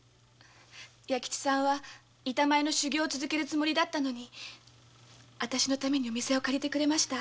弥吉さんは板前の修業を続けるつもりだったのに私のために店を借りてくれました。